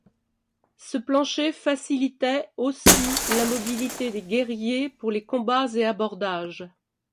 Ce plancher facilitait aussi la mobilité des guerriers pour les combats et abordages.